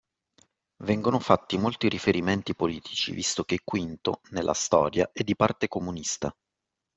Vengono fatti molti riferimenti politici visto che Quinto nello storia è di parte comunista